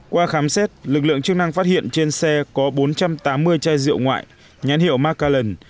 qua khám xét lực lượng chức năng phát hiện trên xe có bốn trăm tám mươi chai rượu ngoại nhãn hiệu macallan